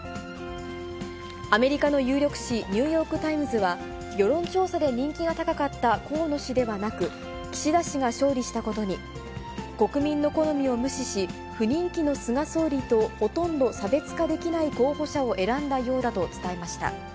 アメリカの有力紙、ニューヨークタイムズは、世論調査で人気が高かった河野氏ではなく、岸田氏が勝利したことに、国民の好みを無視し、不人気の菅総理とほとんど差別化できない候補者を選んだようだと伝えました。